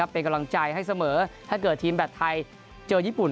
เป็นกำลังใจให้เสมอถ้าเกิดทีมแบตไทยเจอญี่ปุ่น